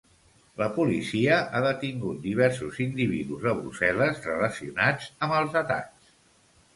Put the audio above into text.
La policia ha detingut diversos individus a Brussel·les relacionats amb els atacs.